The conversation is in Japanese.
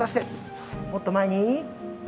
そうもっと前に。